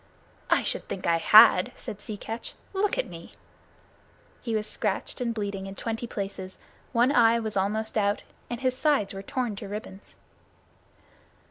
"I should think I had," said Sea Catch. "Look at me!" He was scratched and bleeding in twenty places; one eye was almost out, and his sides were torn to ribbons.